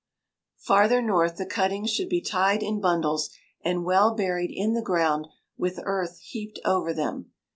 Farther north the cuttings should be tied in bundles and well buried in the ground with earth heaped over them.